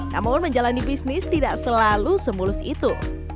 namun menjalani bisnis tidak selalu semulus itu